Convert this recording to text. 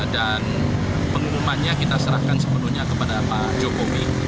dan pengumumannya kita serahkan sepenuhnya kepada pak jokowi